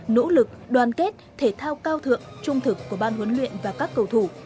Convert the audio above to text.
nỗ lực đoàn kết thể thao cao thượng trung thực của ban huấn luyện và các cầu thủ